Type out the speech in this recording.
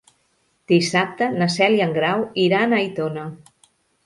Dissabte na Cel i en Grau iran a Aitona.